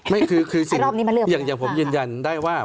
ไม่คือสิ่งอย่างผมยืนยันได้ว่า